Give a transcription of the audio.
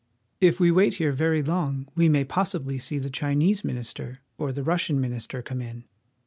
If we wait here very long we may possibly see the Chinese minister or the Russian minister come in.